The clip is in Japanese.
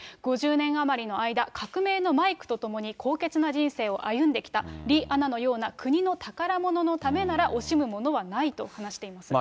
５０年余りの間、革命のマイクと共に、高潔な人生を歩んできた、リアナのような国の宝物のためなら、惜しむものはないと話しています。